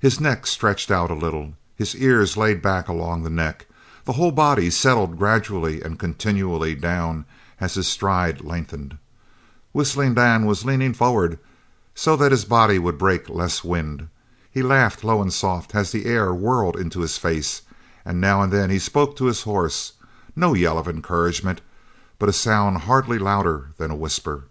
His neck stretched out a little his ears laid back along the neck his whole body settled gradually and continually down as his stride lengthened. Whistling Dan was leaning forward so that his body would break less wind. He laughed low and soft as the air whirred into his face, and now and then he spoke to his horse, no yell of encouragement, but a sound hardly louder than a whisper.